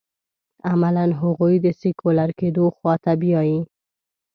عملاً هغوی د سیکولر کېدو خوا ته بیايي.